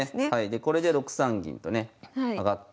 これで６三銀とね上がって